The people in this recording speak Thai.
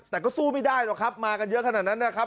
แต่ก็สู้ไม่ได้หรอกครับมากันเยอะขนาดนั้นนะครับ